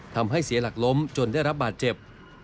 ทำให้เสียหลักล้มจนได้รับบาดเจ็บ